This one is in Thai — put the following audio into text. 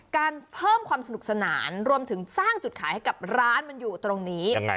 การเพิ่มความสนุกสนานรวมถึงสร้างจุดขายให้กับร้านมันอยู่ตรงนี้ยังไง